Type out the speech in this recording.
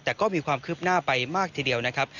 แต่ก็มีความคืบหน้าไปมากทีเดียวนะครับ